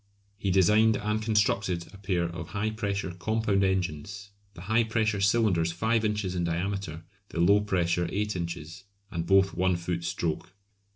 He designed and constructed a pair of high pressure compound engines, the high pressure cylinders 5 inches in diameter, the low pressure 8 inches, and both 1 foot stroke.